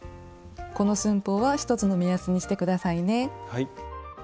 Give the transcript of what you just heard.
この寸法は１つの目安にして下さいね。